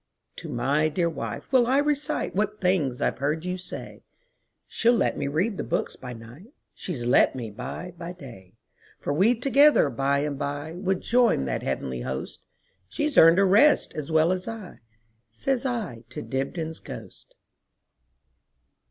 "To my dear wife will I reciteWhat things I 've heard you say; She 'll let me read the books by nightShe 's let me buy by day. For we together by and byWould join that heavenly host; She 's earned a rest as well as I,"Says I to Dibdin's ghost.